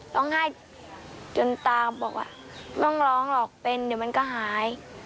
ร้องไห้จนตาบอกว่าต้องร้องหรอกเป็นเดี๋ยวมันก็หาย